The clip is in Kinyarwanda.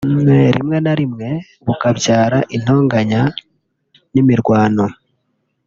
rimwe na rimwe bukabyara intonganya n’imirwano